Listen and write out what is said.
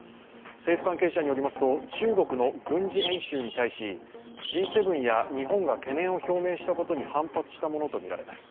政府関係者によりますと、中国の軍事演習に対し、Ｇ７や日本が懸念を表明したことに反発したものとみられます。